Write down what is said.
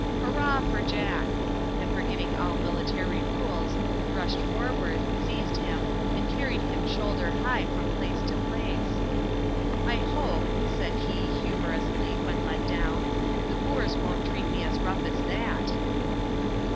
"Hurrah for Jack!" and forgetting all military rules, rushed forward, seized him, and carried him shoulder high from place to place. "I hope," said he, humorously, when let down, "the Boers won't treat me as rough as that."